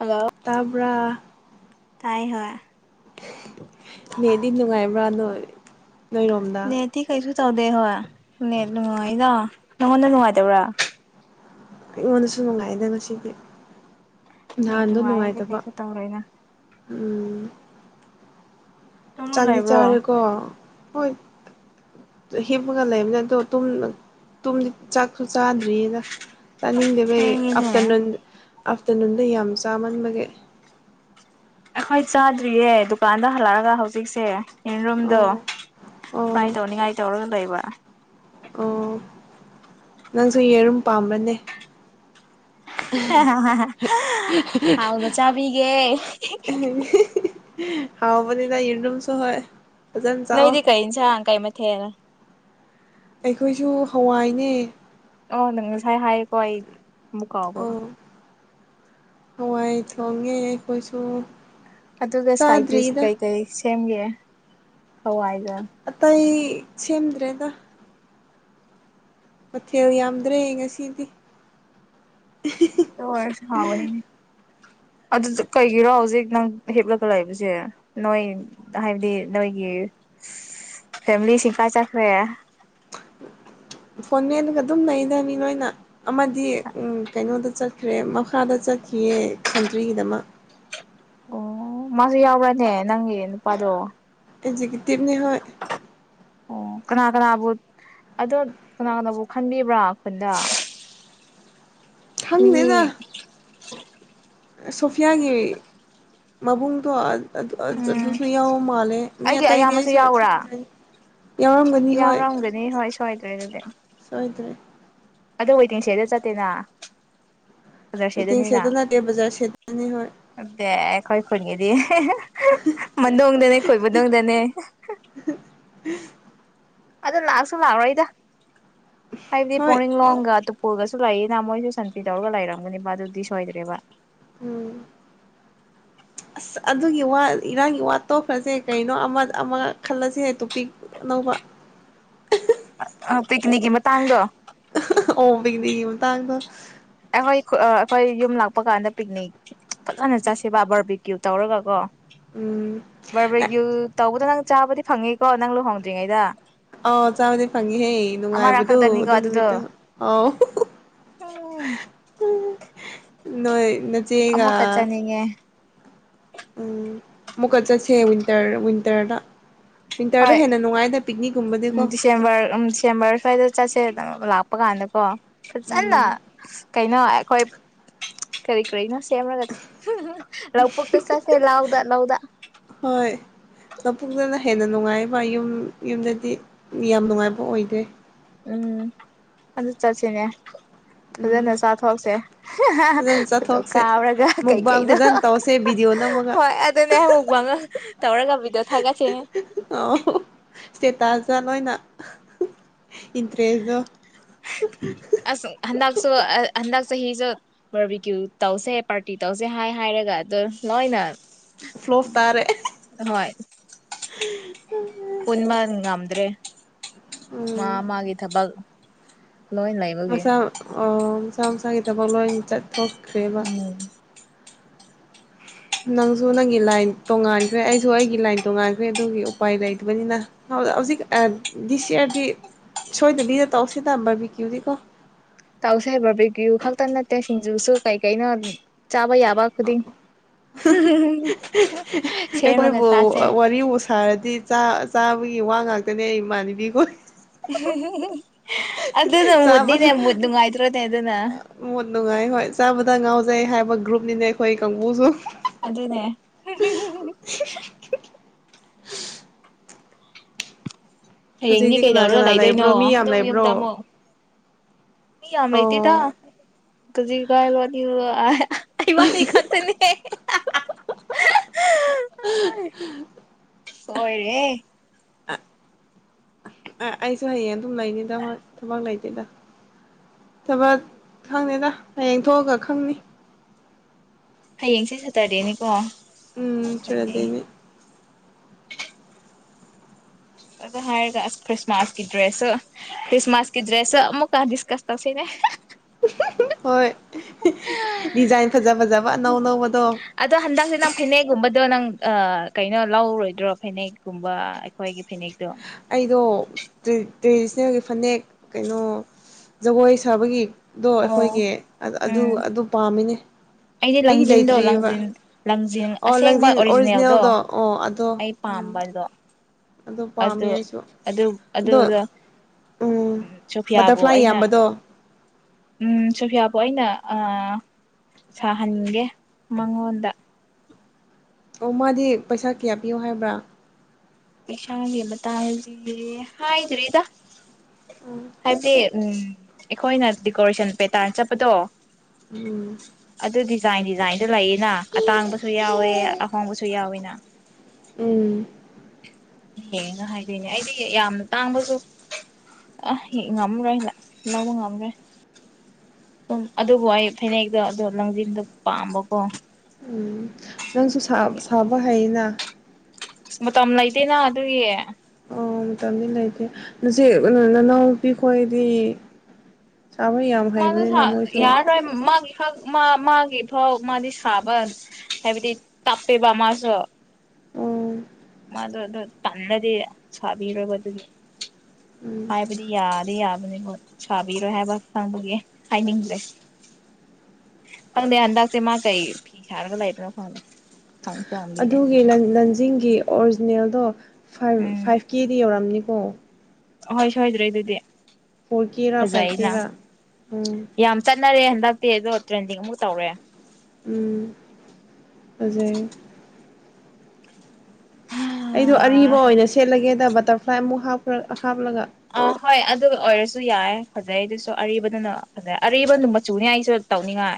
hello ꯇꯥꯕ ꯇꯥꯏ ꯍꯣꯏ ꯃꯗꯤ ꯅꯨꯡꯉꯥꯏꯕ꯭ꯔꯥ ꯅꯣꯏ ꯅꯣꯏꯔꯣꯝꯗ ꯅꯦꯠꯇꯤ ꯀꯩꯁꯨ ꯇꯧꯗꯦ ꯍꯣꯏ ꯅꯦꯠ ꯅꯨꯡꯉꯥꯏ ꯅꯪꯉꯣꯟꯗ ꯅꯨꯡꯉꯥꯏꯇꯕ꯭ꯔꯥ ꯑꯩꯉꯣꯟꯗꯁꯨ ꯅꯨꯡꯉꯥꯏꯗ ꯉꯁꯤꯗꯤ ꯅꯦꯠ ꯅꯍꯥꯟꯗꯣ ꯅꯨꯡꯉꯥꯏꯔꯗꯤ ꯅꯨꯡꯉꯥꯏꯇꯕ ꯀꯩꯁꯨ ꯇꯧꯔꯣꯏꯅ ꯎꯝ [inaudible] ꯇꯨꯝꯃ ꯆꯥꯛꯗꯤ ꯂꯩꯕ꯭ꯔꯣ ꯆꯥꯔꯦꯀꯣ ꯍꯣꯏ ꯍꯤꯞꯄꯒ ꯂꯩꯕꯅꯦ ꯑꯗꯣ ꯇꯨꯝꯗ ꯇꯨꯝꯗꯤ ꯆꯥꯛꯁꯨ ꯆꯥꯗ꯭ꯔꯤꯌꯦꯅ ꯇꯥꯅꯤꯡꯗꯕꯩ ꯊꯦꯡꯉꯦꯅꯦ ꯑꯐꯇꯔꯅꯨꯟ ꯑꯥꯐꯇꯔꯅꯨꯟꯗ ꯌꯥꯝ ꯆꯥꯃꯟꯕꯒꯤ ꯑꯩꯈꯣꯏ ꯆꯥꯗ꯭ꯔꯤꯌꯦ ꯗꯨꯀꯥꯟꯗ ꯍꯜꯂꯛꯑꯒ ꯍꯧꯖꯤꯛꯁꯦ ꯌꯦꯔꯨꯝꯗꯣ ꯑꯣ ꯑꯣ ꯐ꯭ꯔꯥꯏ ꯇꯧꯅꯤꯡꯉꯥꯏ ꯇꯧꯔꯒ ꯂꯩꯕ ꯑꯣ ꯅꯪꯁꯨ ꯌꯦꯔꯨꯝ ꯄꯥꯝꯕꯅꯦ ꯍꯥꯎꯗꯣ ꯆꯥꯕꯤꯒꯦ ꯍꯥꯎꯕꯅꯤꯗ ꯌꯦꯔꯨꯝꯁꯨ ꯍꯣꯏ ꯐꯖꯅ ꯆꯥꯎ ꯅꯩꯗꯤ ꯀꯩ ꯏꯟꯁꯥꯡ ꯀꯥꯏ ꯃꯊꯦꯜ ꯑꯩꯈꯣꯏꯁꯨ ꯍꯋꯥꯏꯅꯦ ꯑꯣ ꯅꯪꯉꯥꯁꯥꯏ ꯍꯥꯏꯥꯌꯦ ꯀꯣ ꯑꯩ ꯃꯀꯥꯎꯕ ꯑꯣ ꯍꯋꯥꯏ ꯊꯣꯡꯉꯦ ꯑꯩꯈꯣꯏꯁꯨ ꯑꯗꯨꯒ ꯁꯥꯏꯇꯤꯁ ꯆꯥꯗ꯭ꯔꯤꯗ ꯀꯩ ꯀꯩ ꯁꯦꯝꯒꯦ ꯍꯋꯥꯏ ꯑꯇꯩ ꯁꯦꯝꯗ꯭ꯔꯦꯗ ꯃꯊꯦꯜ ꯌꯥꯝꯗ꯭ꯔꯦ ꯉꯁꯤꯗꯤ ꯑꯣꯏꯔꯁꯨ ꯍꯥꯎꯕꯅꯤꯅꯦ ꯑꯗꯨ ꯀꯩꯒꯤꯔꯣ ꯍꯧꯖꯤꯛ ꯅꯪ ꯍꯤꯞꯂꯒ ꯂꯩꯕꯁꯦ ꯅꯣꯏ ꯍꯥꯏꯕꯗꯤ ꯅꯣꯏꯒꯤ ꯐꯦꯃꯤꯂꯤꯁꯤ ꯀꯥꯏ ꯆꯠꯈ꯭ꯔꯦ ꯐꯣꯟ ꯃꯦꯟꯂꯒ ꯑꯗꯨꯝ ꯂꯩꯗ ꯃꯤꯅꯣꯏꯅ ꯑꯃꯗꯤ ꯎ ꯀꯩꯅꯣꯗ ꯆꯠꯈ꯭ꯔꯦ ꯃꯈꯥꯗ ꯆꯠꯈꯤꯌꯦ ꯁꯟꯇ꯭ꯔꯤꯒꯤꯗꯃꯛ ꯑꯣ ꯃꯥꯁꯨ ꯌꯥꯎꯕ꯭ꯔꯅꯦ ꯅꯪꯒꯤ ꯅꯨꯄꯥꯗꯣ ꯑꯦꯛꯖꯤꯀꯨꯇꯤꯚꯅꯤ ꯍꯣꯏ ꯑꯣ ꯀꯅꯥ ꯀꯅꯥꯕꯨ ꯑꯗꯣ ꯀꯅꯥ ꯀꯅꯥꯕꯨ ꯈꯟꯕꯤꯕ꯭ꯔꯥ ꯈꯟꯗ ꯈꯪꯗꯦꯗ [inaudible] ꯁꯣꯐꯤꯌꯥꯒꯤ ꯃꯕꯨꯡꯗꯣ ꯑ ꯎꯝ ꯑꯗꯨꯁꯨ ꯌꯥꯎꯕ ꯃꯥꯜꯂꯦ ꯃꯤ ꯑꯩꯒꯤ ꯑꯇꯩꯗꯤ ꯑꯌꯥꯝꯕꯁꯨ ꯑꯩꯁꯨ ꯌꯥꯎꯕ꯭ꯔꯥ ꯈꯪꯖꯩ ꯌꯥꯎꯔꯝꯒꯅꯤ ꯍꯣꯏ ꯌꯥꯎꯔꯝꯒꯅꯤ ꯍꯣꯏ ꯁꯣꯏꯗ꯭ꯔꯦ ꯑꯗꯨꯗꯤ ꯁꯣꯏꯗ꯭ꯔꯦ ꯑꯗꯣ ꯋꯦꯇꯤꯡꯁꯦꯗ ꯆꯠꯇꯦꯅ ꯀꯂꯔ ꯃꯤꯇꯤꯡ ꯁꯦꯠꯇꯅꯤꯅ ꯁꯦꯗꯇꯅꯠꯇ ꯕꯖꯥ ꯁꯦꯇꯅꯤ ꯍꯣꯏ ꯈꯣꯏ ꯐ꯭ꯈꯨꯒꯤꯗꯤ ꯍꯦꯍꯦ ꯗꯣꯡꯗꯅꯦ ꯈꯣꯏꯕ ꯗꯣꯡꯗꯅꯦ [unintelligible] ꯑꯗꯨ ꯂꯥꯛ ꯑꯁꯨ ꯂ꯭ꯥꯛ ꯑꯔꯣꯏꯗ ꯍꯥꯏꯗꯤ ꯍꯣꯏ ꯄꯨꯅꯤꯡ ꯂꯣꯒ ꯑ ꯑꯗꯨ ꯄꯨꯒ [unintelligible] ꯨ ꯂꯩꯑꯦꯅ ꯃꯣꯏꯁꯨ ꯁꯟꯇ꯭ꯔꯤ ꯇꯧꯔꯒ ꯂꯩꯔꯝꯒꯅꯤꯕ ꯑꯗꯨꯗꯤ ꯁꯣꯏꯗ꯭ꯔꯦꯕ ꯎꯝ ꯑꯁ ꯑꯗꯨꯒꯤ ꯋꯥ ꯏꯔꯥꯡꯒꯤ ꯋꯥ ꯇꯣꯛꯈ꯭ꯔꯁꯦ ꯀꯩꯅꯣ ꯑꯃ ꯑꯃ ꯈꯜꯂꯁꯦ ꯇꯣꯄꯤꯛ ꯑꯅꯧꯕ ꯑ ꯄꯤꯛꯀꯥꯅꯤꯛ ꯀꯤ ꯃꯇꯥꯡꯗꯣ ꯄꯤꯛꯀꯥꯅꯤꯛ ꯀꯤ ꯃꯇꯥꯡꯗꯣ ꯑꯩꯈꯣꯏ ꯑꯩꯈꯣꯏ ꯌꯨꯝ ꯂꯥꯛꯄ ꯀꯥꯟꯗ ꯄꯤꯛꯅꯤꯛ ꯐꯖꯅ ꯆꯠꯁꯦꯕ ꯕꯔꯕꯦ ꯀ꯭ꯌꯨ ꯇꯧꯔꯒ ꯀꯣ ꯎꯝ ꯕꯔ ꯕꯦ ꯀ꯭ꯌꯨ ꯇꯧꯕꯗ ꯅꯪ ꯆꯥꯕꯗꯤ ꯐꯪꯅꯤꯀꯣ ꯅꯪ ꯂꯨꯍꯣꯡꯗ꯭ꯔꯤꯉꯩꯗ ꯑꯥꯎ ꯆꯥꯕꯗꯤ ꯐꯪꯉꯤꯍꯦ ꯑꯃꯔꯛ ꯅꯨꯡꯉꯥꯏꯕꯗꯨ ꯈꯛꯇꯅꯤꯀꯣ ꯑꯗꯨ ꯑꯗꯨꯗꯣ ꯅꯨꯃꯤꯠꯇ ꯑꯥꯎ ꯎꯝ [unintelligible] ꯅꯣꯏ ꯅꯆꯦꯒꯥ ꯑꯃꯨꯛꯀ ꯆꯠꯅꯤꯡꯉꯦ ꯎꯝ ꯑꯃꯨꯛꯀꯥ ꯆꯠꯁꯦ ꯋꯤꯟꯇꯔ ꯋꯤꯟꯇꯔꯗ ꯋꯤꯟꯇꯔꯗ ꯍꯣꯏ ꯍꯦꯟꯅ ꯅꯨꯡꯉꯥꯏꯗ ꯎꯝ ꯄꯤꯛꯅꯤꯛꯀꯨꯝꯕꯗꯤꯀꯣ ꯗꯤꯁꯦꯝꯕꯔ ꯎꯝ ꯗꯤꯁꯦꯝꯕꯔ ꯁꯋꯥꯏꯗ ꯆꯠꯁꯦ ꯅꯪ ꯂꯥꯛꯄ ꯀꯥꯟꯗ ꯀꯣ ꯐꯖꯥꯅ ꯎꯝ ꯀꯩꯅꯣ ꯑꯩꯈꯣꯏ ꯀꯔꯤ ꯀꯔꯤꯅꯣ ꯁꯦꯝꯃꯒ ꯂꯧꯄꯨꯛꯇ ꯆꯠꯁꯦ ꯂꯧ ꯂꯧꯗ ꯍꯣꯏ ꯂꯧꯄꯨꯛꯇꯅ ꯍꯦꯟꯅ ꯅꯨꯡꯉꯥꯏꯕ ꯌꯨꯝ ꯌꯨꯝꯗꯗꯤ ꯌꯥꯝ ꯅꯨꯡꯉꯥꯏꯕ ꯑꯣꯏꯗꯦ ꯎꯝ ꯑꯗꯨ ꯆꯠꯁꯤꯅꯦ ꯐꯖꯅ ꯎꯝ ꯆꯥꯊꯣꯛꯁꯦ ꯐꯖꯅ ꯐꯣꯇꯣ ꯆꯠꯊꯣꯛꯁꯦ ꯀꯥꯞꯂꯒ ꯃꯨꯛꯕꯥꯡ ꯀꯩꯀꯩꯅꯣ ꯐꯖꯅ ꯇꯧꯁꯦ ꯚꯤꯗꯤꯑꯣ ꯅꯝꯃꯒ ꯍꯣꯏ ꯑꯗꯨꯅꯦ ꯑꯃꯨꯛ ꯇꯧꯔꯒ ꯚꯤꯗꯤꯑꯣ ꯊꯒꯠꯁꯦꯅꯦ ꯑꯧ ꯁꯇꯦꯇꯁꯇ ꯅꯣꯏꯅ ꯏꯟꯇ꯭ꯔꯦꯁꯗꯣ ꯑꯁꯨꯡ [unintelligible] ꯍꯟꯗꯛꯁꯨ ꯍꯟꯗꯛ ꯆꯍꯤꯁꯨ ꯕꯥꯔ ꯕꯦ ꯀ꯭ꯌꯨ ꯇꯧꯁꯦ ꯄꯥꯔꯇꯤ ꯇꯧꯁꯦ ꯍꯥꯏ ꯍꯥꯏꯔꯒ ꯑꯗꯣ ꯂꯣꯏꯅ ꯐ꯭ꯂꯣꯞ ꯇꯥꯔꯦ ꯎꯝ [unintelligible] ꯄꯨꯟꯕꯥ ꯉꯝꯗ꯭ꯔꯦ ꯎꯝ ꯃꯥꯃꯥꯒꯤ ꯊꯕꯛ ꯂꯣꯏ ꯂꯩꯕꯒꯤ ꯑꯧ ꯃꯁꯥ-ꯃꯁꯥꯒꯤ ꯊꯕꯛ ꯂꯣꯏ ꯆꯠ ꯊꯣꯛꯈ꯭ꯔꯦꯕ ꯎꯝ ꯅꯪꯁꯨ ꯅꯪꯒꯤ ꯂꯥꯏꯟ ꯇꯣꯡꯉꯥꯟꯈ꯭ꯔꯦ ꯑꯩꯁꯨ ꯑꯩꯒꯤ ꯂꯥꯏꯟ ꯇꯣꯡꯉꯥꯟꯈ꯭ꯔꯦ ꯑꯗꯨꯒꯤ ꯎꯄꯥꯏ ꯂꯩꯇꯕꯅꯤꯅ ꯍꯧꯖꯤꯛ ꯗꯤꯁ ꯌꯔꯗꯤ ꯁꯣꯏꯗꯕꯤꯗ ꯇꯧꯁꯤꯗ ꯕꯥꯔꯕꯦꯀ꯭ꯌꯨꯗꯤ ꯀꯣ ꯇꯥꯎꯁꯦꯕ ꯄꯕꯤꯒ꯭ꯌꯨ ꯈꯛꯇ ꯅꯠꯇꯦ ꯁꯤꯡꯖꯨꯁꯨ ꯀꯩ ꯀꯩꯅꯣ ꯆꯥꯕ ꯌꯥꯕ ꯈꯨꯗꯤꯡ ꯁꯦꯝꯃꯒ ꯑꯩꯈꯣꯏꯕꯨ ꯆꯥꯁꯦ ꯋꯥꯔꯤꯕꯨ ꯁꯥꯔꯗꯤ ꯆꯥꯕꯒꯤ ꯋꯥ ꯉꯥꯛꯇꯅꯦ ꯑꯩ ꯏꯃꯥꯟꯅꯕꯤꯈꯣꯏ ꯍꯦ ꯍꯦ ꯍꯦ ꯑꯗꯨ ꯅ ꯃꯗꯅꯦ ꯆꯥꯕꯗ ꯃ ꯉꯥꯏꯇ꯭ꯔꯣꯅꯦ ꯑꯗꯨꯅ ꯃꯣꯠ ꯅꯨꯡꯉꯥꯏ ꯍꯣꯏ ꯆꯥꯕꯗ ꯉꯥꯎꯖꯩ ꯍꯥꯏꯕ ꯒ꯭ꯔꯨꯞꯅꯤꯅꯦ ꯑꯩꯈꯣꯏ ꯀꯥꯡꯕꯨꯁꯨ ꯑꯗꯨꯗꯅꯦ ꯍꯌꯦꯡꯗꯤ ꯍꯧꯖꯤꯛꯇꯤ ꯀꯅꯥ ꯀꯩꯗꯧꯔꯒ ꯀꯅꯥ ꯂꯩꯕ꯭ꯔꯣ ꯂꯩꯗꯣꯏꯅꯣ ꯃꯤ ꯌꯥꯝ ꯑꯗꯨꯝ ꯌꯨꯝꯗ ꯂꯩꯕ꯭ꯔꯣ ꯑꯃꯨꯛ ꯃꯤ ꯌꯥꯝꯃꯩꯇꯗ ꯑꯣ ꯑꯗꯨꯖꯤ ꯀꯥꯏ ꯂꯣꯅꯤ ꯑꯩ ꯃꯥꯅꯤ ꯈꯠꯇꯅꯦ [inaudible] ꯍꯣꯏꯔꯦ ꯑꯩꯁꯨ ꯍꯌꯦꯡ ꯑꯗꯨꯝ ꯂꯩꯅꯤꯗ ꯍꯣꯏ ꯊꯕꯛ ꯂꯩꯇꯦꯗ ꯊꯕꯛ ꯈꯪꯅꯤꯗ ꯍꯌꯦꯡ ꯊꯣꯛꯑꯒ ꯈꯪꯅꯤ ꯍꯌꯦꯡꯁꯦ ꯁꯦꯇꯔꯗꯦꯅꯤꯀꯣ ꯎꯝ ꯁꯟꯗꯦ ꯆ꯭ꯔꯗꯅꯦ ꯑ ꯍꯥꯏꯒ ꯀ꯭ꯔꯤꯁꯃꯥꯁ ꯀ ꯗ꯭ꯔꯦꯁ ꯀ꯭ꯔꯤꯁꯃꯥꯁ ꯀ ꯗ꯭ꯔꯦꯁ ꯑꯃꯨꯛꯥꯗꯁ ꯀꯁ ꯇꯁꯤꯅꯦ ꯍꯣꯏ ꯗꯤꯖꯥꯏꯟ ꯐꯖꯥ ꯐꯖꯕꯅꯧ ꯅꯧꯕꯗꯣ ꯑꯗꯣ ꯍꯟꯗꯛꯁꯦ ꯅꯪ ꯐꯅꯦꯛꯒꯨꯝꯕꯗꯣ ꯅꯪ ꯀꯩꯅꯣ ꯂꯧꯔꯣꯏꯗ꯭ꯔꯣ ꯐꯅꯦꯛꯀꯨꯝꯕ ꯑꯩꯈꯣꯏꯒꯤ ꯐꯅꯦꯛꯇꯣ ꯑꯩꯗꯣ ꯇ꯭ꯔꯦꯗꯤꯁꯅꯦꯜꯒꯤ ꯐꯅꯦꯛ ꯀꯩꯅꯣ ꯖꯒꯣꯏ ꯁꯥꯕꯒꯤ ꯗꯣ ꯑꯣ ꯑꯩꯈꯣꯏꯒꯤ ꯑꯗꯨ ꯎꯝ ꯑꯗꯨ ꯄꯥꯝꯃꯤꯅꯦ ꯑꯩꯗꯤ ꯑꯩꯒꯤ ꯂꯪꯖꯤꯟꯗꯣ ꯂꯩꯇ꯭ꯔꯤꯑꯕ ꯂꯪꯖꯤꯟ ꯂꯪꯖꯟ ꯑꯣ ꯑꯁꯦꯡꯕ ꯂꯪꯖꯤꯟ ꯑꯣꯔꯤꯖꯤꯅꯦꯜꯗꯣ ꯑꯣ ꯑꯗꯣ ꯑꯩ ꯎꯝ ꯄꯥꯝꯕꯗꯣ ꯑꯗꯣ ꯄꯥꯝꯃꯦ ꯑꯗꯨ ꯑꯩꯁꯨ ꯑꯗꯨ ꯑꯗꯣ ꯎ ꯎꯝ ꯁꯣꯐꯤꯌꯥꯕꯨ ꯕꯇꯔꯐ꯭ꯂꯥꯏ ꯑꯩꯅ ꯌꯥꯝꯕꯗꯣ ꯎꯝ ꯁꯣꯐꯤꯌꯥ ꯑꯩꯅ ꯁꯥꯍꯟꯒꯦ ꯃꯉꯣꯟꯗ ꯑꯣ ꯃꯥꯗꯤ ꯄꯩꯁꯥ ꯀꯌꯥ ꯄꯤꯌꯣ ꯍꯥꯏꯕ꯭ꯔꯥ ꯄꯁꯥꯡꯒꯤꯕ ꯇꯜꯗꯦ ꯍꯥ꯭ꯔꯔꯤ ꯏꯗ ꯎꯝ ꯎꯝ ꯑꯩꯈꯣꯏꯅ ꯗꯦꯀꯣꯔꯦꯁꯟ ꯄꯦꯇꯥꯔ ꯆꯠꯄꯗꯣ ꯎꯝ ꯑꯗꯨ ꯗꯤꯖꯥꯏꯟ ꯗꯤꯖꯥꯏꯟ ꯑꯗꯨ ꯂꯩꯌꯦꯅ ꯑꯇꯥꯡꯕꯁꯨ ꯌꯥꯎꯋꯦ ꯑꯍꯣꯡꯕꯁꯨ ꯌꯥꯎꯋꯤꯅ ꯎꯝ ꯍꯦꯡꯒ ꯍꯥꯏꯗꯣꯏꯅꯦ ꯑꯩꯗꯤ ꯌꯥꯝꯅ ꯇꯥꯡꯕꯁꯨ ꯑ ꯉꯝꯃꯔꯣꯏ ꯂꯧꯕ ꯉꯝ꯭ꯔꯣꯏ ꯁꯨꯝ ꯑꯗꯨꯕꯨ ꯑꯩ ꯐꯅꯦꯛꯇꯣ ꯑꯗꯣ ꯂꯪꯖꯟꯗꯣ ꯄꯥꯝꯕꯀꯣ ꯎꯝ ꯅꯪꯁꯨ ꯁꯥ ꯑ ꯃꯇꯝ ꯂꯩꯇꯦꯅ ꯑꯗꯨꯒꯤ ꯑꯣ ꯃꯇꯝꯗꯤ ꯂꯩꯇꯦ ꯅꯆꯦ ꯀꯩꯅ ꯅꯅꯥꯎꯄꯤ ꯈꯣꯏꯗꯤ ꯁꯥꯕ ꯌꯥꯝ ꯍꯩꯕꯅꯤꯅ ꯃꯣꯏꯁꯨ ꯌꯥꯔꯔꯣꯏ ꯛ ꯃꯥꯒꯤ ꯐꯥꯎ ꯃꯥꯗꯤ ꯁꯥꯕ ꯍꯥꯏꯕꯗꯤ ꯇꯞꯄꯦꯕ ꯃꯥꯁꯨ ꯑꯣ ꯃꯥꯗꯣ ꯑꯗꯨꯗꯣ ꯇꯜꯂꯗꯤ ꯁꯥꯕꯤꯔꯕ ꯑꯗꯨꯒꯤ ꯎꯝ ꯍꯥꯏꯕꯗꯤ ꯌꯥꯗ ꯌꯥ ꯁꯥꯕꯤꯔꯣꯏ ꯍꯥꯏꯕ ꯈꯪꯕꯒꯤ ꯍꯥꯏꯅꯤꯡꯗꯦ ꯈꯪꯗꯦ ꯍꯟꯗꯛꯁꯦ ꯃꯥ ꯀꯩ ꯐꯤ ꯍꯥꯏꯔꯒ ꯂꯩꯕꯅꯣ ꯈꯪꯗꯦ ꯍꯪꯁꯨ ꯍꯪꯕꯤꯗꯦ ꯑꯗꯨꯒꯤ ꯂꯟꯖꯤꯡꯒꯤ ꯑꯣꯔꯤꯖꯤꯅꯦꯜꯗꯣ ꯐꯥꯏꯚ ꯐꯥꯏꯚ ꯀꯦꯗꯤ ꯌꯧꯔꯝꯅꯤ ꯑꯣ ꯑꯣꯏ ꯁꯣꯏꯗ꯭ꯔꯦ ꯑꯗꯨꯗꯤ ꯐꯣꯔ ꯀꯦꯔꯥ ꯐꯥꯏꯚ ꯐꯖꯩꯅ ꯀꯦꯔꯥ ꯎꯝ ꯌꯥꯝ ꯆꯠꯅꯔꯦ ꯍꯟꯗꯛꯇꯤ ꯑꯗꯣ ꯇ꯭ꯔꯦꯟꯗꯤꯡ ꯑꯃꯨꯛ ꯇꯧꯔꯦ ꯎ ꯐꯖꯩ ꯑꯩꯗꯣ ꯍꯥ ꯑꯔꯤꯕ ꯑꯣꯏꯅ ꯁꯦꯠꯂꯒꯦꯗꯕ ꯇꯔ ꯐ꯭ꯂꯥꯏ ꯑꯃꯛ ꯍꯥ ꯍꯥꯞꯂꯒ ꯑ ꯍꯣꯏ ꯑꯗꯨ ꯑꯣꯏꯔꯁꯨ ꯌꯥꯏ ꯐꯖꯩ ꯑꯗꯨꯁꯨ ꯑꯔꯤꯕꯗꯨꯅ ꯐꯖꯩ ꯑꯔꯤꯕꯅ ꯃꯆꯨꯅꯤ ꯑꯩꯁꯨ ꯇꯧꯅꯤꯡꯉꯥꯏ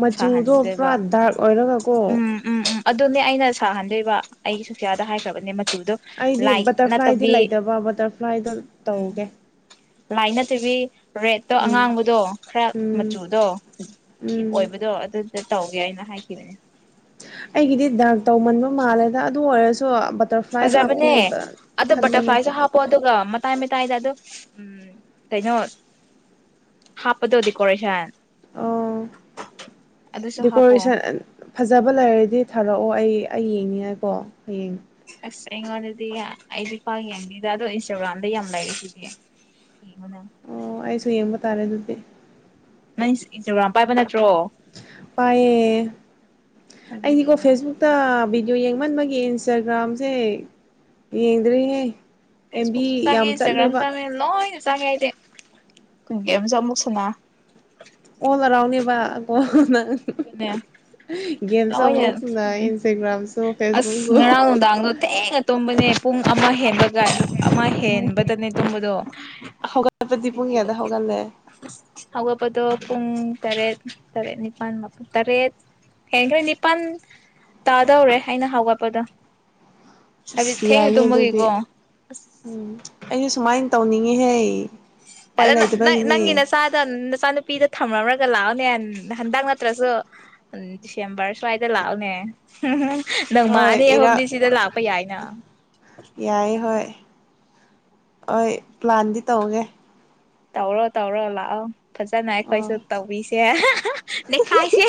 ꯃꯆꯨꯗꯣ ꯄꯨꯔꯥ ꯁꯥꯍꯟꯗꯣꯏꯕ ꯗꯥꯔꯛ ꯑꯣꯏꯔꯒꯀꯣ ꯎꯝ ꯎꯝ ꯎꯝ ꯑꯗꯨꯅꯦ ꯑꯩꯅ ꯁꯥꯍꯟꯗꯣꯏꯕ ꯑꯩꯗꯤ ꯁꯨꯁꯌꯥꯗ ꯍꯥꯏꯈ꯭ꯔꯕꯅꯦ ꯃꯆꯨꯗꯣ ꯑꯩꯗꯤ ꯂꯥꯏ ꯕꯇꯔꯐ꯭ꯂꯥꯏꯗꯤ ꯅꯠꯇꯕꯤ ꯂꯩꯇꯕ ꯕꯇꯔꯐ꯭ꯂꯥꯏ ꯀꯏꯗꯣ ꯎꯝ ꯇꯧꯒꯦ ꯂꯥꯏ ꯅꯠꯇꯕꯤ ꯔꯦꯠꯇꯣ ꯎꯝ ꯑꯉꯥꯡꯕꯗꯣ ꯈꯔ ꯎꯝ ꯃꯆꯨꯗꯣ ꯖꯤꯞ ꯎꯝ ꯑꯣꯏꯕꯗꯣ ꯑꯗꯨꯗ ꯇꯧꯒꯦ ꯍꯥꯏꯅ ꯍꯥꯏꯈꯤꯕꯅꯦ ꯑꯩꯒꯤꯗꯤ ꯗꯥꯛ ꯇꯧꯃꯟꯕ ꯃꯥꯜꯂꯦꯗ ꯑꯗꯨ ꯑꯣꯏꯔꯁꯨ ꯕꯇꯔꯐ꯭ꯂꯥꯏ ꯐꯖꯕꯅꯦ ꯍꯥꯞꯀꯦꯅ ꯑꯗꯣ ꯈꯟꯕꯅꯦ ꯕꯇꯔꯐ꯭ꯂꯥꯏꯁꯨ ꯍꯥꯞꯄꯣ ꯑꯗꯨꯒ ꯃꯇꯥꯏ ꯃꯇꯥꯏꯗ ꯑꯗꯣ ꯎꯝ ꯀꯩꯅꯣ ꯍꯥꯞꯄꯗꯣ ꯗꯦꯀꯣꯔꯦꯁꯟ ꯑꯣ ꯑꯗꯨꯁꯨ ꯍꯥꯞꯄꯣ ꯗꯦꯀꯣꯔꯦꯁꯟ ꯐꯖꯕ ꯂꯩꯔꯗꯤ ꯊꯥꯔꯛꯑꯣ ꯑꯣ ꯑꯩ ꯑꯩ ꯌꯦꯡꯅꯤꯡꯉꯥꯏꯀꯣ ꯍꯌꯦꯡ ꯑꯁ ꯑꯩꯉꯣꯟꯗꯗꯤ ꯑꯩꯗꯤ ꯄꯥꯛ ꯌꯦꯡꯗꯗ ꯑꯗꯣ ꯏꯟꯁꯇꯥꯒ꯭ꯔꯥꯝꯗ ꯌꯥꯝ ꯂꯩꯔꯤ ꯁꯤꯗꯤ ꯑꯣ ꯑꯩꯁꯨ ꯌꯦꯡꯕ ꯇꯥꯔꯦ ꯑꯗꯨꯗꯤ [inaudible] ꯅꯪ ꯏꯟꯁꯇꯥꯒ꯭ꯔꯥꯝ ꯄꯥꯏꯕ ꯅꯠꯇ꯭ꯔꯣ ꯄꯥꯏꯌꯦ ꯑꯗꯨꯗ ꯑꯩꯗꯤꯀꯣ ꯌꯦꯡꯉꯣ ꯐꯦꯁꯕꯨꯛꯇ ꯚꯗꯤꯑꯣ ꯌꯦꯡ [unintelligible] ꯃꯟꯕꯒꯤ ꯏꯟꯁꯇꯥꯒ꯭ꯔꯥꯝꯁꯦ ꯌꯦꯡꯗ꯭ꯔꯤꯅꯦ ꯐꯦꯁꯕꯨꯨꯛꯁꯨ ꯆꯪꯉꯩ ꯏꯟꯁꯇꯒ꯭ꯔꯝꯖꯨ ꯆꯪꯉꯩ ꯂꯣꯏꯅ ꯆꯪꯉꯦ ꯑꯗꯤ ꯀꯨꯝꯖꯨ ꯑꯃꯨꯛ ꯁꯅꯥ ꯑꯣꯜ ꯑꯔꯥꯎꯟꯅꯦꯕ ꯑꯗꫭ ꯅꯪ ꯑꯗꯨꯅꯦ ꯒꯦꯝꯁꯨ ꯂꫭꯏ [unintelligible] ꯑꯃꯨꯛꯁꯨꯅ ꯎꯝ ꯏꯟꯁꯇꯥꯒ꯭ꯔꯥꯝꯁꯨ ꯑꯁ ꯐꯦꯁꯕꯨꯛꯁꯨ ꯉꯔꯥꯡ ꯅꯨꯡꯗꯥꯡꯗꯣ ꯊꯦꯡꯉꯇꯣꯝꯕꯅꯦ ꯄꯨꯡ ꯑꯃ ꯍꯦꯟꯕꯒ ꯑꯃ ꯍꯦꯟꯕꯗꯅꯦ ꯇꯨꯝꯕꯗꯣ [unintelligible] ꯍꯧꯒꯠꯄꯗꯤ ꯄꯨꯡ ꯕꯤꯗꯤꯌꫭ ꯀꯌꯥꯗ ꯍꯧꯒꯠꯂꯦ ꯍꯕꯗꯨꯣ ꯄꯨꯡ ꯇꯔꯦꯠ ꯇꯔꯦꯠꯅꯤ ꯅꯤꯄꯥꯜ ꯃꯥꯄꯜ ꯇꯔꯦꯠ ꯌꯥꯌꯦꯡꯒꯩ ꯅꯤꯄꯥꯜ ꯇꯥꯗꯧꯔꯦ ꯑꯩꯅ ꯍꯧꯒꯠꯄꯗ ꯑꯁ ꯌꯥꯏꯌꯦ ꯑꯗꯨꯗꯤ ꯎꯝ ꯑꯩꯁ ꯁꯨꯃꯥꯏꯅ ꯇꯧꯅꯤꯡꯉꯤꯍꯦ ꯑꯗ ꯎꯄꯥꯏ ꯅꯪ ꯅꯪꯒꯤ ꯂꯩꯇꯕꯒꯤꯅꯦ ꯅꯆꯥꯗ ꯅꯆꯥꯅꯨꯄꯤꯗ ꯊꯝꯃꯔꫭꯏ ꯌꯨꯝꯗ ꯂꯥꯛꯑꯣꯅꯦ ꯍꯟꯗꯛ ꯅꯠꯇ꯭ꯔꯁꯨ ꯗꯤꯁꯦꯝꯕꯔ ꯁ꯭ꯋꯥꯏꯗ ꯂꯥꯛꯑꯣꯅꯦ ꯅꯪ ꯍꯣꯏ ꯃꯥꯑꯅꯤ ꯑꯍꯨꯝꯗꯤ ꯏꯔꯥꯛ ꯁꯤꯗ ꯂꯥꯛꯄ ꯌꯥꯏꯅ [inaudible] ꯌꯥꯏ ꯍꯣꯏ ꯍꯣꯏ ꯄ꯭ꯂꯥꯟꯗꯤ ꯇꯧꯒꯦ ꯇꯧꯔꯣ ꯇꯧꯔꫭ ꯂꯛꯑꫭ ꯐꯖꯥꯅ ꯑꯩꯈꯣꯏꯁꯨ ꯑꯣ ꯇꯧꯕꯤꯁꯦ [unintelligible] ꯅꯩꯈꯥꯏꯁꯦ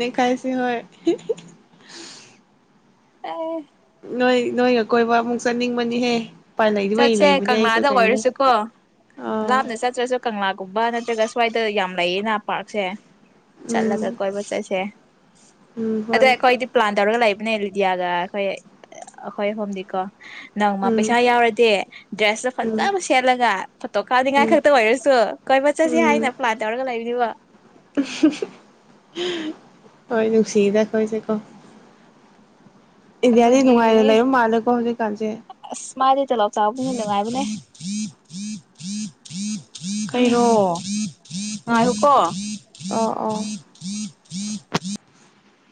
ꯅꯩꯈꯥꯏꯁꯤ [unintelligible] [unintelligible] [unintelligible] ꯅꯣꯏ ꯅꯣꯏꯒ ꯀꯣꯏꯕ ꯑꯃꯨꯛ ꯆꯠꯅꯤꯡꯕꯅꯤꯍꯦ ꯎꯄꯥꯏ ꯂꯩꯗꯕꯩ ꯆꯠꯁꯦ ꯂꯩꯕꯅꯦ ꯑꯩꯁꯨ ꯀꯪꯂꯥꯗ ꯀꯩꯅꯣ ꯑꯣꯏꯔꯁꯨꯀꯣ ꯑꯥ ꯂꯥꯞꯅ ꯆꯠꯇ꯭ꯔꯁꯨ ꯀꯪꯂꯥꯒꯨꯝꯕ ꯅꯠꯇ꯭ꯔꯒ ꯁ꯭ꯋꯥꯏꯗ ꯌꯥꯝ ꯂꯩꯌꯦꯅ ꯄꯥꯔꯛꯁꯦ ꯆꯠꯂꯒ ꯎꯝ ꯀꯣꯏꯕ ꯆꯠꯁꯦ ꯎꯝ ꯑꯗꫭ ꯍꯣꯏ ꯑꯩꯈꯣꯏꯗꯤ ꯄ꯭ꯂꯥꯟ ꯇꯧꯔꯒ ꯂꯩꯕ ꯅꯦ ꯂꯨꯗꯤꯌꯥꯒ ꯑꯩꯈꯣꯏ ꯑꯩꯈꯣꯏ ꯑꯍꯨꯝꯗꯤꯀꯣ ꯅꯪ ꯃꯥ ꯎꯝ ꯄꯩꯁꯥ ꯌꯥꯎ [unintelligible] ꯗ꯭ꯔꯦꯁꯇꯣ ꯎꯝ ꯐꯖꯕ ꯁꯦꯠꯂꯒ ꯐꯣꯇꯣ ꯀꯥꯞꯅꯤꯡꯉꯥꯏ ꯎꯝ ꯈꯛꯇ ꯑꯣꯏꯔꯁꯨ ꯀꯣꯏꯕ ꯆꯠꯁꯤ ꯎꯝ ꯍꯥꯏꯅ ꯄ꯭ꯂꯥꯟ ꯇꯧꯔꯒ ꯂꯩꯕꯅꯤꯕ ꯍꯣꯏ ꯅꯨꯡꯁꯤꯗ ꯑꯈꯣꯏꯁꯦ ꯀꯣ ꯏꯟꯗꯤꯌꯥꯔꯗꯤ ꯑꯗꯨꯒꯤ ꯅꯨꯡꯉꯥꯏꯅ ꯂꯩꯕ ꯃꯥꯜꯂꯦꯀꯣ ꯍꯧꯖꯤꯛꯀꯥꯟꯁꯦ ꯃꯥꯥꯏꯗꯤ ꯇꫭꯂꯞ ꯆꯥꯎꯕꯅꯤꯅ ꯅꯪꯉꯥꯏꯕꯅꯦ [unintelligible] ꯀꯩꯔꯣ [unintelligible] [unintelligible] ꯉꯥꯏꯌꯨꯀꫭ ꯑꯣ ꯑꯣ [unintelligible]